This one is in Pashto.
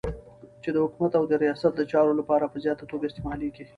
چی د حکومت او د ریاست دچارو لپاره په زیاته توګه استعمالیږی